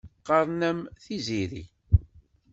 Qqaṛen-am Tiziri.